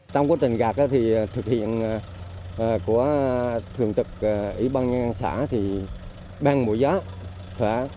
trong quá trình gặt thì thực hiện của thường tực ủy ban nhân dân xã thì bang mũi gió